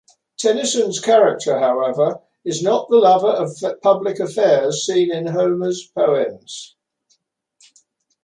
Tennyson's character, however, is not the lover of public affairs seen in Homer's poems.